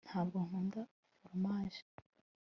ntabwo nkunda foromaje